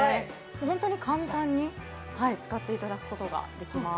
ホントに簡単に使っていただくことができます